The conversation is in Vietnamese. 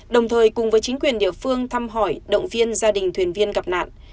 đồng thời cùng với chính quyền địa phương thăm hỏi động viên gia đình thuyền viên gặp nạn